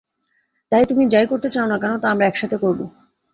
তাই তুমি যাই করতে চাও না কেন, তা আমরা একসাথে করব।